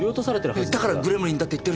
だから「グレムリンだ」って言ってるじゃないか。